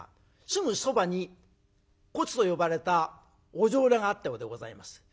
すぐそばにコツと呼ばれたお女郎屋があったようでございます。